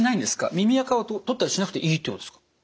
耳あかを取ったりしなくていいってことですか？